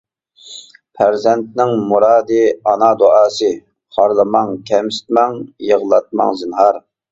پەرزەنتنىڭ مۇرادى ئانا دۇئاسى، خارلىماڭ. كەمسىتمەڭ. يىغلاتماڭ زىنھار.